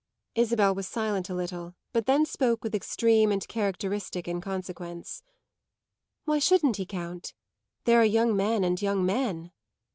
Isabel was silent a little but then spoke with extreme and characteristic inconsequence. "Why shouldn't he count? There are young men and young men."